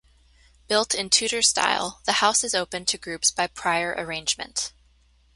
Built in Tudor style, the house is open to groups by prior arrangement.